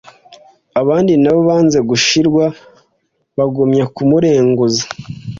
Abandi nabo banze gushirwa bagumya kumureguza,